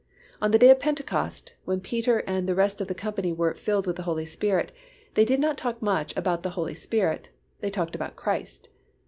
On the day of Pentecost when Peter and the rest of the company were "filled with the Holy Spirit," they did not talk much about the Holy Spirit, they talked about Christ.